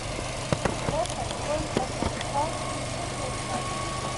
د سرپل په سانچارک کې څه شی شته؟